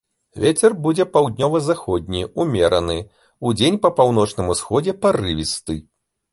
Вецер будзе паўднёва-заходні, умераны, удзень па паўночным усходзе парывісты.